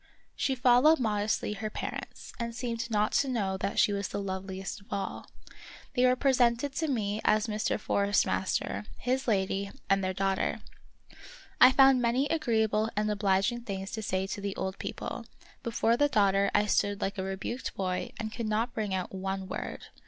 She followed modestly her parents, and seemed not to know that she was the loveliest of all. They were presented to me as Mr. Forest master, his lady, and their daughter. I found many agreeable and obliging things to say to the old people; before the daughter I stood like a rebuked boy and could not bring out one word.